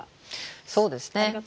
そうですね。